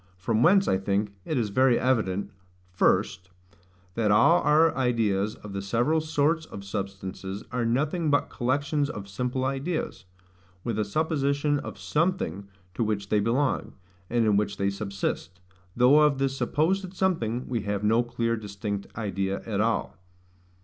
From whence, I think, it is very evident, First, That all our ideas of the several SORTS of substances are nothing but collections of simple ideas: with a supposition of SOMETHING to which they belong, and in which they subsist; though of this supposed something we have no clear distinct idea at all.